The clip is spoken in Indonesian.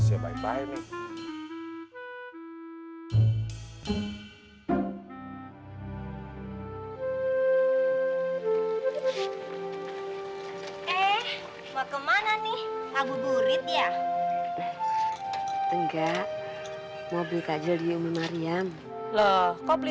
hai eh maka mana nih abu gurit ya enggak mau beli kajel yuma mariam loh kok beli